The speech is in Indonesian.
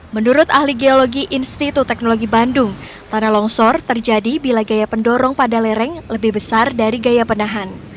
menurut ahli geologi institut teknologi bandung tanah longsor terjadi bila gaya pendorong pada lereng lebih besar dari gaya penahan